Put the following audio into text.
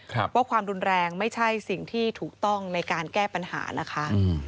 ว่าความรุนแรงไม่ใช่สิ่งที่ถูกต้องในการแก้ปัญหานะคะอืม